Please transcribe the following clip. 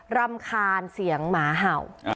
รำคาญเสียงหมาเห่า